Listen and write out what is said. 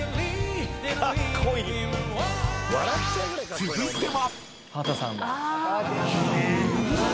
［続いては］